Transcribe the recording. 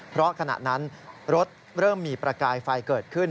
เพราะขณะนั้นรถเริ่มมีประกายไฟเกิดขึ้น